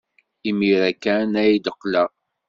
Imir-a kan ay d-qqleɣ.